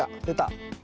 出た。